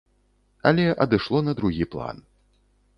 Але адышло на другі план.